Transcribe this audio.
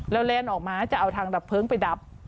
แล้วแลนด์ออกมาจะเอาทางดับเพลิงไปดับ